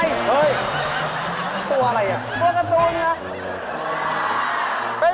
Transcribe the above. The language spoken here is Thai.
เฮ่ยตัวอะไร